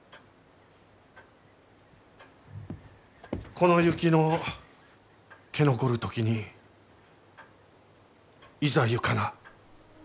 「この雪の消残る時にいざ行かな」。